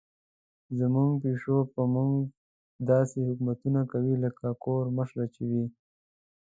زموږ پیشو په موږ داسې حکومت کوي لکه د کور مشره چې وي.